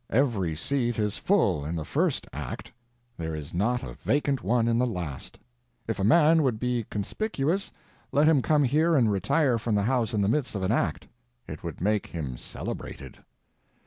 Every seat is full in the first act; there is not a vacant one in the last. If a man would be conspicuous, let him come here and retire from the house in the midst of an act. It would make him celebrated.